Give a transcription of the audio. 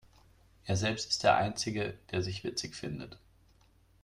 Er selbst ist der Einzige, der sich witzig findet.